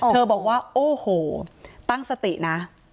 บอกว่าโอ้โหตั้งสตินะ